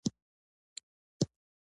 خو ودې ليدل چې خبره داسې نه وه.